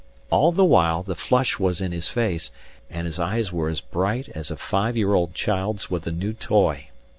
All the while, the flush was in his face, and his eyes were as bright as a five year old child's with a new toy.